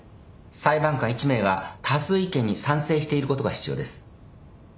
裁判官１名が多数意見に賛成していることが必要です。